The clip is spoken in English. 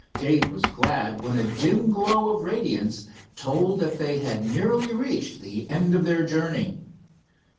Dave was glad when a dim glow of radiance told that they had nearly reached the end of their journey.